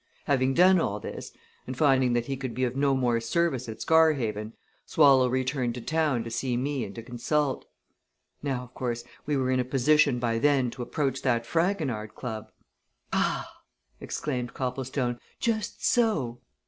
Having done all this, and finding that he could be of no more service at Scarhaven, Swallow returned to town to see me and to consult. Now, of course, we were in a position by then to approach that Fragonard Club " "Ah!" exclaimed Copplestone. "Just so!"